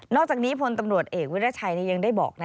อกจากนี้พลตำรวจเอกวิรัชัยยังได้บอกนะ